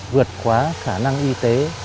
vượt khóa khả năng y tế